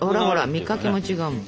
見かけも違うもん。